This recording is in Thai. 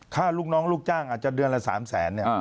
ลูกน้องลูกจ้างอาจจะเดือนละ๓แสนเนี่ย